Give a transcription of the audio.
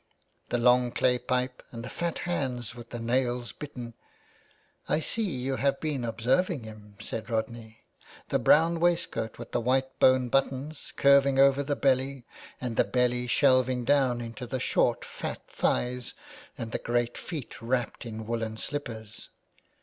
*' The long clay pipe and the fat hands with the nails bitten." " I see you have been observing him," said Rodney. " The brown waistcoat with the white bone buttons, curving over the belly, and the belly shelving down into the short fat thighs, and the great feet wrapped in woollen slippers